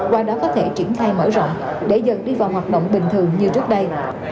qua đó có thể triển khai mở rộng để dần đi vào hoạt động bình thường như trước đây